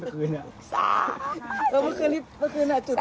ข้างนี้อิมลูกลอตเตอรี่